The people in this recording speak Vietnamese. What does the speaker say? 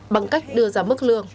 bằng cách đưa ra mức lương